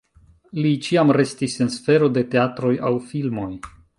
Li ĉiam restis en sfero de teatroj aŭ filmoj.